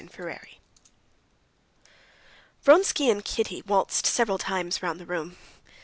Chapter 23 Vronsky and Kitty waltzed several times round the room.